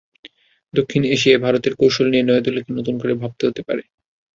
দক্ষিণ এশিয়ায় ভারতের কৌশল নিয়ে নয়াদিল্লিকে নতুন করে ভাবতে হতে পারে।